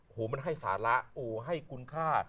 มันให้สาระโอ้ให้คุณค่า